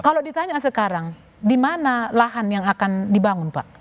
kalau ditanya sekarang di mana lahan yang akan dibangun pak